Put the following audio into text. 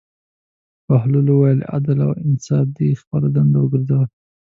بهلول وویل: عدل او انصاف دې خپله دنده وګرځوه.